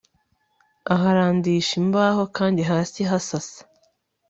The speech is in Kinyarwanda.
aharandisha imbaho kandi hasi ahasasa